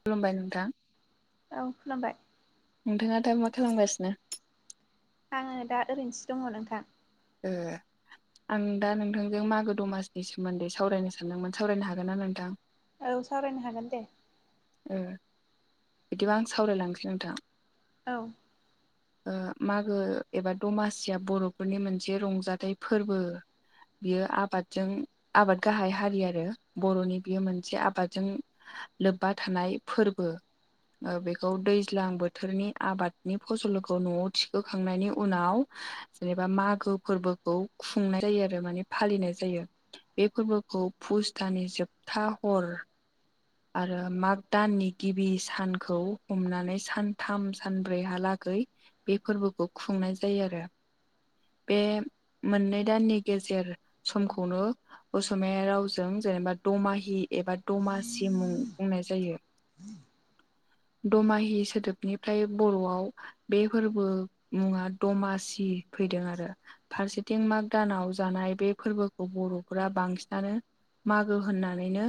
खुलुमबाय नोंथां। औ खुलुमबाय। नोंथाङा दा मा खालामगासिनो? आङो दा ओरैनोसो दङ नोंथां। ए आं दा नोंथांजों मागो दमासनि सोमोन्दै सावरायनो सानदोंमोन सावरायनो हागोन ना नोंथां? औ सावरायनो हागोन दे। ओ बिदिबा आं सावरायलांसै नोंथां। औ [inaudible] ओ मागो एबा दमासिया बर'फोरनि मोनसे रंजाथाइ फोरबो बियो आबादजों आबाद गाहाय हारि आरो बर'नि बियो मोनसे आबादजों लोब्बा थानाय फोरबो। बेखौ दैज्लां बोथोरनि आबादनि फसलखौ न'आव थिखोखांनायनि उनाव जेनेबा मागो फोरबोखौ खुंनाय जायो आरो माने फालिनाय जायो। बे फोरबोखौ पुष दाननि जोबथा हर आरो माग दाननि गिबि सानखौ हमनानै सानथाम सानब्रैहालागै बे फोरबोखौ खुंनाय जायो आरो बे मोननै दाननि गेजेर समखौनो असमिया रावजों जेनेबा दमाहि एबा दमा सिम खुंनाय जायो। [inaudible] दमाहि सोदोबनिफ्राय बर'आव बे फोरबो मुङा दमासि फैदों आरो फारसेथिं माग दानाव जानाय बे फोरबोखौ बर'फोरा बांसिनानो मागो होननानैनो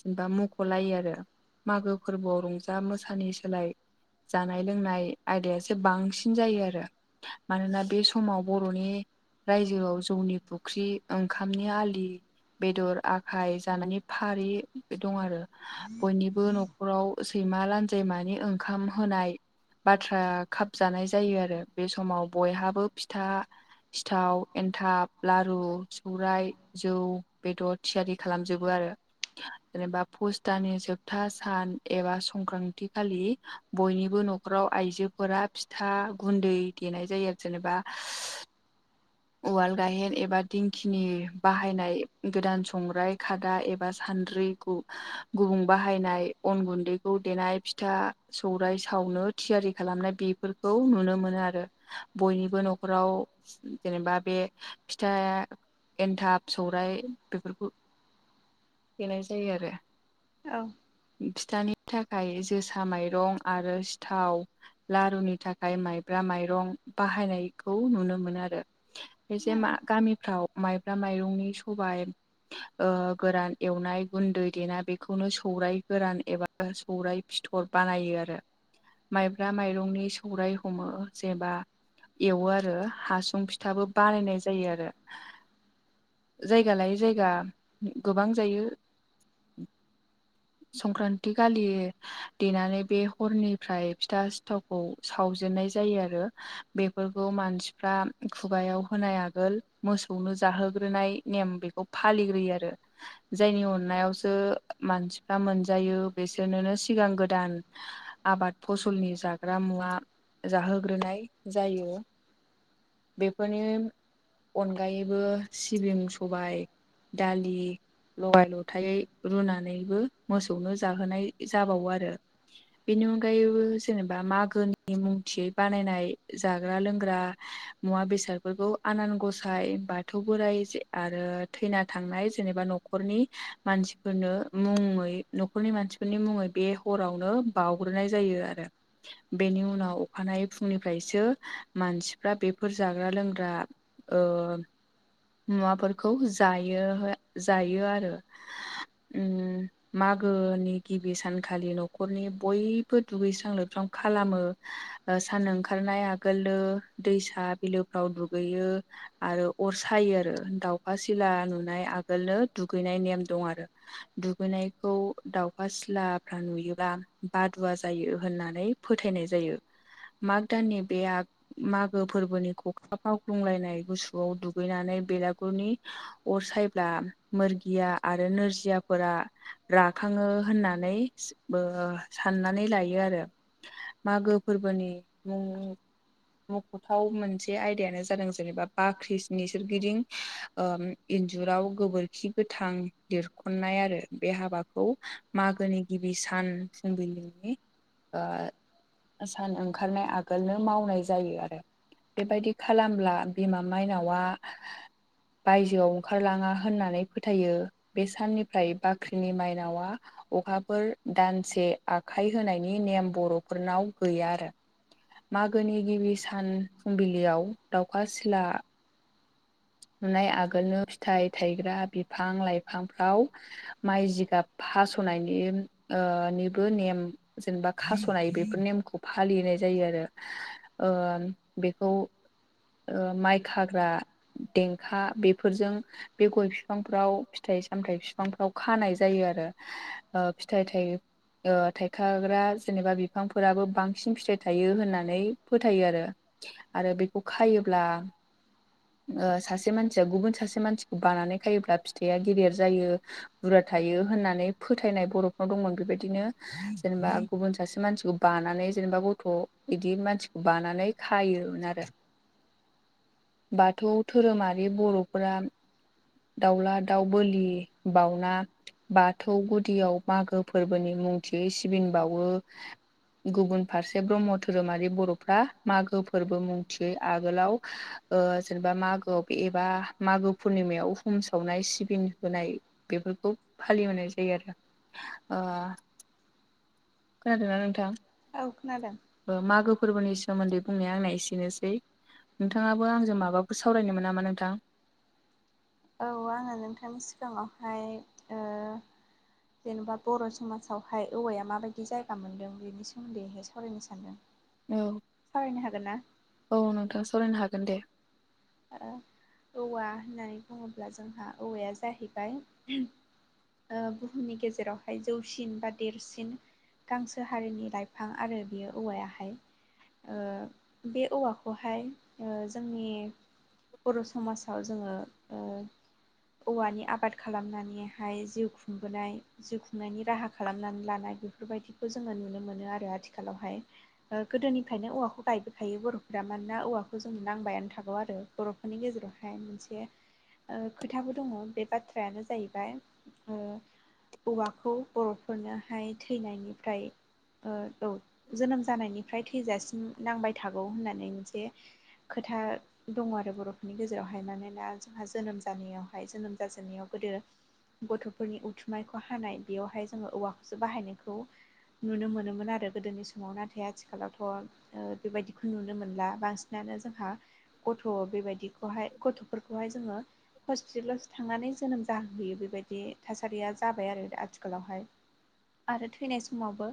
जेनेबा मुख'लायो आरो मागो फोरबोआव रंजा मोसानि सोलाय जानाय लोंनाय आयदायासो बांसिन जायो आरो मानोना बे समाव बर'नि रायजोआव जौनि फुख्रि ओंखामनि आलि बेदर आखाय जानानै फारि दं आरो बयनिबो नखराव सैमा लानजायमानि ओंखाम होनाय बाथ्रा खाबजानाय जायो आरो बे समाव बयहाबो फिथा सिथाव एन्थाब लारु सौराय जौ बेदर थियारि खालामजोबो आरो जेनेबा पुस दानि जोबथा सान एबा संक्रान्ति खालि बयनिबो नखराव आइजोफोरा फिथा गुन्दै देनाय जायो आरो जेनेबा उवाल गायहेन एबा दिंखिनि बाहायनाय गोदान संग्राय खादा एबा सान्द्रिखौ गु-गुबुं बाहायनाय अन गुन्दैखौ देनाय फिथा सौराय सावनो थियारि खालामनाय बेफोरखौ नुनो मोनो आरो बयनिबो नखराव जेनेबा बे फिथा एन्थाब सौराइ बेफोरखौ देनाय जायो आरो औ फिथानि थाखाय जोसा माइरं आरो सिथाव लारुनि थाखाय माइब्रा माइरं बाहायनायखौ नुनो मोनो आरो खायसे मा गामिफ्राव माइब्रा माइरंनि सबाय ओ गोरान एवनाय गुन्दै देना बेखौनो सौराय गोरान एबा सौराइ फिथर बानायो आरो माइब्रा माइरंनि सौराय हमो जेबा एवो आरो हासुं फि थाबो बानायनाय जायो आरो जायगा लायै जायगा गोबां जायो संक्रान्ति गालि देनानै बे हरनिफ्राय फिथा सिथाव खौ सावजेननाय जायो आरो बेफोरखौ मानसिफ्रा खुगायाव होनाय आगोल मोसौनो जाहोग्रोनाय नेम बेखौ फालिग्रोयो आरो जायनि अननायावसो मानसि फ्रा मोनजायो बेसोरनोनो सिगां गोदान आबाद फसलनि जाग्रा मुवा जाहोग्रोनाय जायो बेफोरनि अनगायैबो सिबिं सबाय दालि लगाय लथायै रुनानैबो मोसौनो जाहोनाय जाबावो आरो बेनि अनगायैबो जेनेबा मागोनि मुंथियै बानायनाय जाग्रा लोंग्रा मुवा बेसादफोरखौ आनान गसाय बाथौ बोराइ आरो थैना थांनाय जेनेबा नखर नखरनि मानसिफोरनो मुङै नखरनि मानसिफोरनि मुङै बे हरावनो बावग्रोनाय जायो आरो बेनि उनाव अखानायै फुंनिफ्रायसो मानसिफ्रा बेफोर जाग्रा लोंग्रा ओ मुवाफोरखौ जायो जायो आरो उम मागोनि गिबि सानखालि न'खरनि बयबो दुगैस्रां लोबस्रां खालामो। ओ सान ओंखारनाय आगोलनो दैसा बिलोफ्राव दुगैयो। आरो अर सायो आरो दाउखा सिला नुनाय आगोलनो दुगैनाय नेम दं आरो दुगैनायखौ दाउखा सिलाफ्रा नुयोब्ला बादुवा जायो होननानै फोथायनाय जायो माग दाननि बे मागो फोरबोनि खखाब मावलुंलायनाय गुसुआव दुगैनानै बेलागुरनि अर सायब्ला मोरगिया आरो नोरजियाफोरा राखाङो होननानै ओ साननानै लायो आरो। मागो फोरबोनि मुं मख'थाव मोनसे आयदायानो जादों जेनेबा बाख्रिसनि सोरगिदिं ओ इन्जुराव गोबोरखि गोथां देरखननाय आरो। बे हाबाखौ मागोनि गिबि सान फुबिलिनि ओ सान ओंखारनाय आगोलनो मावनाय जायो आरो। बेबायदि खालामब्ला बिमा माइनावआ बायजोआव ओंखारलाङा होननानै फोथायो बे साननिफ्राय बाख ख्रिनि माइनावा अखाफोर दानसे आखाइ होनायनि नेम बर'फोरनाव गैया आरो। मागोनि गिबि सान फुंबिलियाव दाउखा सिला नुनाय आगोलनो फिथाइ थायग्रा बिफां लाइफांफ्राव माइ जिगाब फास'नायनि ओ निबो नेम जेनेबा खास'नाय बेफोर नेमखौ फालिनाय जायो आरो ओ बेखौ ओ माइ खाग्रा देंखा बेफोरजों बे गय फिफांफ्राव फिथाइ सामथायाइ फिफांफोराव खानाय जायो आरो। ओ फिथाइ थाइ ओ थायखाग्रा जेनेबा बिफांफोराबो बांसिन फिथाइ थायो होननानै फोथायो आरो। आरो बेखौ खायोब्ला ओ सासे मानसिया गुबुन सासे मानसिखौ बानानै खायोब्ला फि थाया गेदेर जायो बुरजा थायो होननानै फोथायनाय बर'फ्राव दंमोन बेबायदिनो जेनेबा गुबुन सासे मानसिखौ बानानै जेनेबा गथ' बिदि मानसिखौ बानानै खायोमोन आरो। बाथौ धोरोमारि बर'फोरा दाउला दाउ बोलि बाउना बाथौ गुदियाव मागो फोरबोनि मुंथियै सिबिं बावो। गुबुन फारसे ब्रह्म धोरोमारि बर'फ्रा मागो फोरबो मुंथियै आगोलाव ओ जेनेबा मागोआव बे एबा मागो पुर्निमायाव हुम सावनाय सिबिन होनाय बेफोरखौ फालिबोनाय जायो आरो खोनादों ना नोंथां? औ खोनादों। ओ मागो फोरबोनि सोमोन्दै बुंनाया आंना एसेनोसै नोंथाङा बो आंजों माबाफोर सावरायनो मोन नामा नोंथां? औ आङो नोंथांनि सिगाङावहाय ओ जेनेबा बर' समाजावहाय औवाया माबायदि जायगा मोनदों बेनि सोमोन्दैहाय सावरायनो सानदों। औ सावरायनो हागोन ना औ नोंथां सावरायनो हागोन दे। ओ औवा होननानै बुङोब्ला जोंहा औवाया जाहैबाय ओ बुहुमनि गेजेरावहाय जौसिन बा देरसिन गांसो हारिनि लाइफां आरो बियो औवायाहाय। ओ बे औवाखौहाय ओ जोंनि बर' समाजाव जोङो ओ औवानि आबाद खालामनानैहाय जिउ खुंबोनाय जिउ खुंनायनि राहा खालामनानै लानाय बेफोरबायदिखौ जोङो नुनो मोनो आरो आथिखालावहाय। गोदोनिफ्रायनो औवाखौ गायबोखायो बर'फोरा मानोना औवाखौ जों नांबायानो थागौ आरो। बर'फोरनि गेजेरावहाय मोनसे ओ खोथाबो दङ बे बाथ्रायानो जाहैबाय ओ औवाखौ बर'फोरनोहाय थैनायनिफ्राय ओ औ जोनोम जानायनिफ्राय थैजासिम नांबाय थागौ होननानै मोनसे खोथा दङ आरो बर'फोरनि गेजेरावहाय मानोना जोंहा जोनोम जानायावहाय जोनोम जाजेननायाव गोदो गथ'फोरनि उथुमायखौ हानाय बेयावहाय जोङो औवाखौसो बाहायनायखौ नुनो मोनोमोन आरो गोदोनि समाव नाथाय आथिखालावथ' ओ बेबायदिखौ नुनो मोनला बांसिनानो जोंहा गथ' बेबायदिखौहाय गथ'फोरखौहाय जोंङो हस्पिटालावसो थांनानै जोनोम जाहोहैयो बेबायदि थासारिया जाबाय आरो आथिखालावहाय। आरो थैनाय समावबो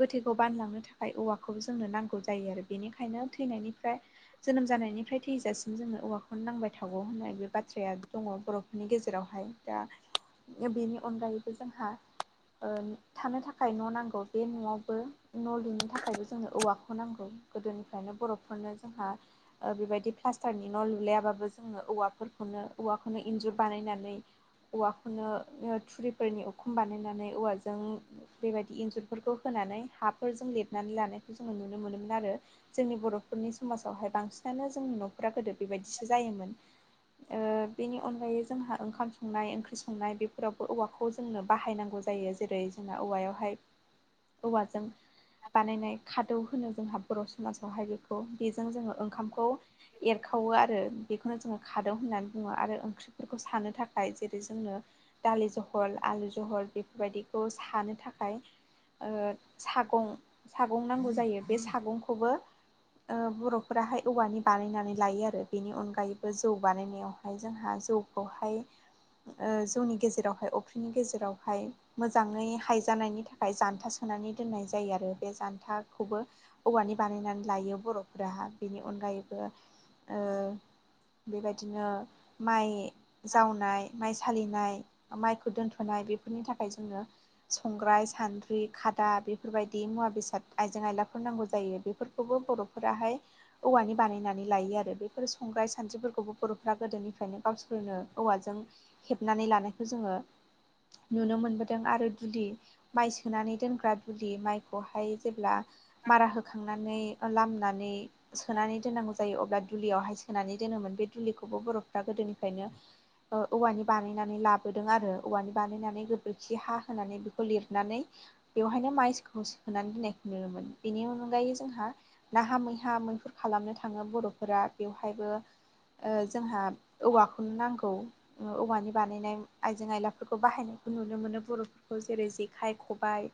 गोथैखौ बानलांनो थाखाय औवाखौबो जोंनो नांगौ जायो आरो बेनिखायनो थैनायनिफ्राय जोनोम जानायनिफ्राय थैजासिम जोंङो औवाखौनो नांबाय थागौ होननाय बे बाथ्राया दंङ बर'फोरनि गेजेरावहाय दा बेनि अनगायैबो जोंहा ओ थानो थाखाय न' नांगौ बे न'आवबो न' लुनो थाखायबो जोंनो औवाखौ नांगौ। गोदोनिफ्रायनो बर'फोरनो जोंहा बेबायदि क्लास्टारनि न' लुलायाबाबो जोंङो औवाफोरखौनो औवाखौनो इन्जुर बानायनानै औवाखौनो थुरिफोरनि उखुम बानायनानै औवाजों बेबायदि इन्जुरफोरखौ होनानै हाफोरजों लिरनानै लानायखौ जोंङो नुनो मोनोमोन आरो। जोंनि बर'फोरनि समाजावहाय बांसिनानो जोंनि न'फोरा गोदो बेबायदिसो जायोमोन। ओ बेनि अनगायै जोंहा ओंखाम संनाय ओंख्रि संनाय बेफोरावबो औवाखौ जोंनो बाहायनांगौ जायो जेरै जोंना औवायावहाय औवाजों बानायनाय खादौ होनो जोंहा बर' समाजावहाय बेखौ बेजों जोङो ओंखामखौ एरखावो आरो बेखौनो जोंङो खादों होननानै बुंङो आरो ओंख्रि बेफोरखौ सानो थाखाय जेरै जोंनो दालि जहल आलु जहल बेफोरबायदिखौ सानो थाखाय ओ सागं सागं नांगौ जायो बे सागंखौबो ओ बर'फोराहाय औवानि बानायनानै लायो बेनि अनगायैबो जौ बानायनायावहाय जोंहा जौखौहाय ओ जौनि गेजेरावहाय अफ्रिनि गेजेरावहाय मोजांङै हायजानायनि थाखाय जान्था सोनानै दोननाय जायो आरो बे जान्थाखौबो औवानि बानायनानै लायो बर'फोरा बेनि अनगायैबो ओ बेबायदिनो माइ जावनाय माइ सालिनाय माइखौ दोनथ'नाय बेफोरनि थाखाय जोंङो संग्राय सान्द्रि खादा बेफोरबायदि मुवा बेसाद आइजें आयलाफोर नांगौ जायो बेफोर खौ बर'फोराहाय औवानि बानायनानै लायो आरो बेफोर संग्राय सानद्रिफोरखौबो बर'फ्रा गोदोनिफ्रायनो गावसोरनो औवाजों हेबनानै लानायखौ जोंङो नुनो मोनबोदों आरो दुलि माइ सोनानै दोनग्रा दुलि माइखौहाय जेब्ला मारा होखांनानै लामनानै सोनानै दोननांगौ जायो अब्ला दुलियावहाय सोनानै दोनोमोन बे दुलिखौबो बर'फ्रा गोदोनिफ्रायनो औवानि बानायनानै लाबोदों आरो औवानि बानायनानै गोबोरखि हा होनानै बेखौ लिरनानै बेवहायनो माइखौ सोनानै दोननायखौ नुनोमोन बेनि अनगायै जोंहा नाहा मैहा मैहुर खालामनो थांङो बर'फोरा बेवहायबो ओ जोंहा औवाखौनो नांगौ औवानि बानायनाय आइजें आयलाफोरखौ बाहायनायखौ नुनो मोनो बर'फोरखौ जेरै जेखाइ, खबाइ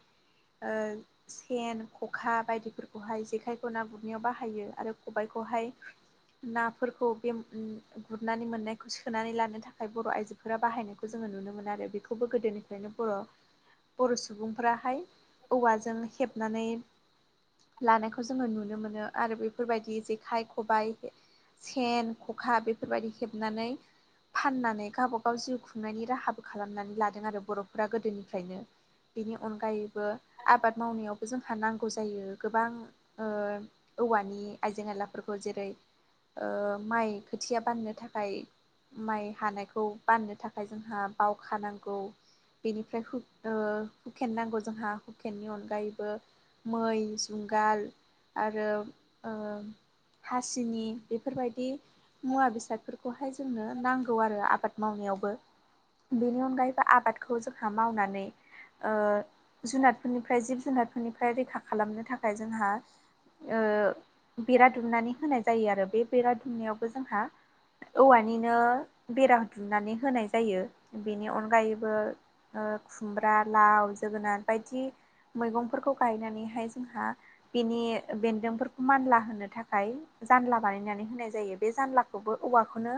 ओ सेन, खखा बायदिफोरखौहाय जेखाइखौ ना गुरनायाव बाहायो आरो खबाइखौहाय नाफोरखौ बे गुरनानै मोननायखौ सोनानै लानो थाखाय बर' आइजो फोरा बाहायनायखौ जोंङो नुनो मोनो आरो बेखौबो गोदोनिफ्रायनो बर' बर' सुबुंफ्राहाय औवाजों हेबनानै लानायखौ जोंङो नुनो मोनो आरो बेफोरबायदि जेखाइ, खबाइ, सेन, खखा बेफोरबायदि हेबनानै फाननानै गावब गाव जिउ खुंनायनि राहाबो खालामनानै लादों आरो बर'फोरा गोदोनिफ्रायनो बेनि अनगायैबो आबाद मावनायावबो जोंहा नांगौ जायो गोबां ओ औवानि आइजें आइलाफोरखौ जेरै ओ माइ खोथिया बाननो थाखाय माइ हानायखौ बाननो थाखाय जोंहा बावखा नांगौ बेनिफ्रा ओ हुकेन नांगौ जोंहा हुकेननि अनगायैबो मै जुंगाल आरो ओ हासिनि बेफोरबायदि मुवा बेसादफोरखौहाय जोंनो नांगौ आरो आबाद मावनायावबो बेनि अनगायैबो आबादखौ जोंहा मावनानै ओ जुनारफोरनिफ्राय जिब-जुनारफोरनिफ्राय रैखा खालामनो थाखाय जोंहा ओ बेरा दुमनानै होनाय जायो आरो बे बेरा दुमनायावबो जोंहा औवानिनो बेरा दुमनानै होनाय जायो बेनि अनगायैबो खुमब्रा लाव जोगोनार बायदि मैगंफोरखौ गायनानैहाय जोंहा बिनि बेन्दोंफोर मानला होनो थाखाय जानला बानायनानै होनाय जायो बे जानलाखौबो औवाखौनो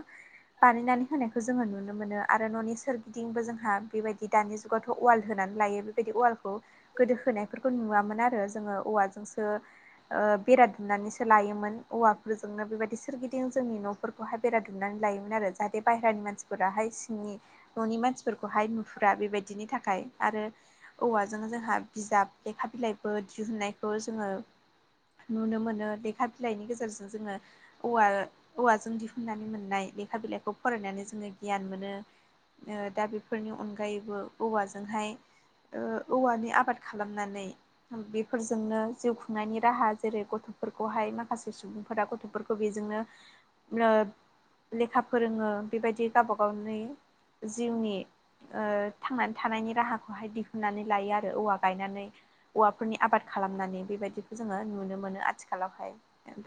बानायनानै होनायखौ जोङो नुनो मोनो आरो न'नि सोरगिदिंबो जोंहा बेबायदि दानि जुगावथ अवाल होनानै लायो बेबायदि अवालखौ गोदो होनायफोरखौ नुवामोन आरो जोङो औवाजोंसो ओ बेरा दुमनानैसो लायोमोन औवाफोरजोंनो बेबायदि सोरगिदिं जोंनि नफोरखौहाय बेरा दुमनानै लायोमोन आरो जों जाहाथे बायह्रानि मानसिफोराहाय सिंनि न'नि मानसिफोरखौहाय नुहुरा बेबायदिनि थाखाय आरो औवाजों जोंहा बिजाब लेखा बिलाइफोर दिहुननायखौ जोङो नुनो मोनो लेखा बिलाइनि गेजेरजों जोङो औवा औवाजों दिहुननानै मोननाय लेखा बिलाइखौ फरायनानै जोङो गियान मोनो दा बेफोरनि अनगायैबो औवाजोंहाय ओ औवानि आबाद खालामनानै बेफोरजोंनो जिउ खुंनायनि राहा जेरै गथ'फोरखौहाय माखासे सुबुंफोरा गथ'फोरखौ बेजोंनो ओ लेखा फोरोङो बेबायदि गावबा गावनि जिउनि ओ थांनानै थानायनि राहाखौहाय दिहुननानै लायो आरो औवा गायनानै औवाफोरनि आबाद खालामनानै बेबायदिखौ जोङो नुनो मोनो आथिखालावहाय दा